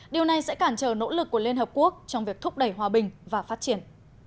điều này sẽ cản trở nỗ lực của liên hợp quốc trong việc thúc đẩy hòa bình và phát triển